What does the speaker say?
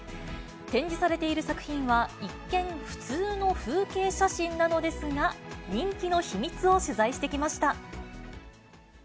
展示されている作品は、一見、普通の風景写真なのですが、人気の秘密を取材してきました。